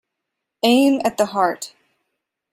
Aim at the heart.